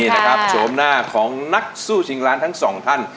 นี่นะครับโฉมหน้าของนักสู้ชิงล้านทั้งสองท่าน